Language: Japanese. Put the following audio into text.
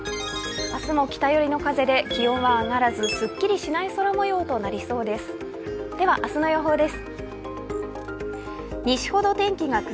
明日も北寄りの風で気温は上がらずすっきりしない空模様となりそうです。